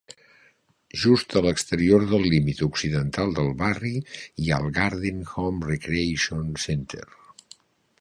Just a l'exterior del límit occidental del barri hi ha el Garden Home Recreation Center.